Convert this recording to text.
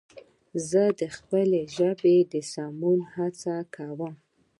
زه د خپلې ژبې د سمون هڅه کوم